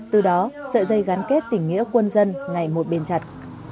từ đó sợi dây gắn kết tỉnh nghĩa quân dân ngày một bên chặt